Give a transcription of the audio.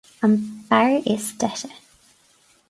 An beár is deise.